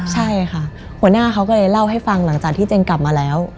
ใช่ค่ะหัวหน้าเขาก็เลยเล่าให้ฟังหลังจากที่เจนกลับมาแล้ว